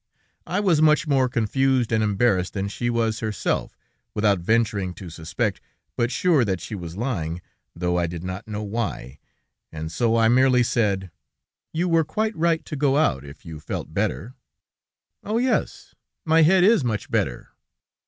I was much more confused and embarrassed than she was herself, without venturing to suspect, but sure that she was lying, though I did not know why, and so I merely said: "'You were quite right to go out, if you felt better.' "'Oh! yes; my head is much better.'